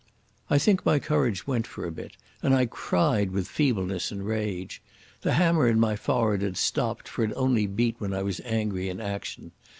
I think my courage went for a bit, and I cried with feebleness and rage. The hammer in my forehead had stopped for it only beat when I was angry in action.